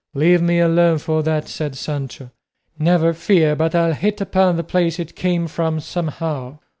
"Leave me alone for that," said Sancho; "never fear but I'll hit upon the place it came from somehow.